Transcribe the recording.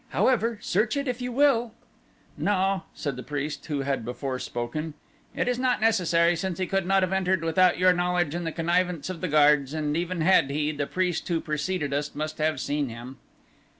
However, search it if you will." "No," said the priest who had before spoken, "it is not necessary since he could not have entered without your knowledge and the connivance of the guards, and even had he, the priest who preceded us must have seen him."